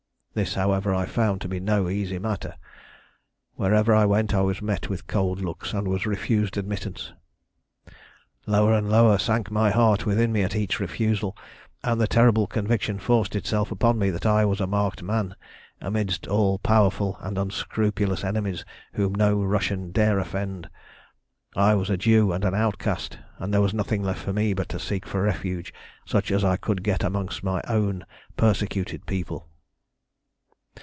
This, however, I found to be no easy matter. Wherever I went I was met with cold looks, and was refused admittance. "Lower and lower sank my heart within me at each refusal, and the terrible conviction forced itself upon me that I was a marked man amidst all powerful and unscrupulous enemies whom no Russian dare offend. I was a Jew and an outcast, and there was nothing left for me but to seek for refuge such as I could get among my own persecuted people.